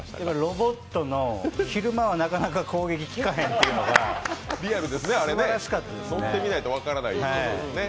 ロボットの、昼間はなかなか攻撃効かへんっていうのが乗ってみないと分からないところですよね。